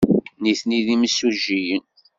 Nitni d imsujjiyen.